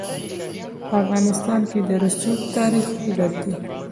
په افغانستان کې د رسوب تاریخ اوږد دی.